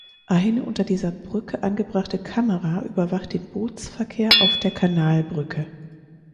Eine unter dieser Brücke angebrachte Kamera überwacht den Bootsverkehr auf der Kanalbrücke.